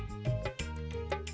mas rangga mau bantu